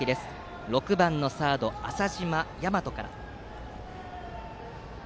打席は６番のサード浅嶋大和から。